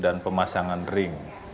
dan pemasangan ring